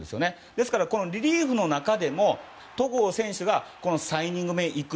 ですからリリーフの中でも戸郷選手が３イニング目行く。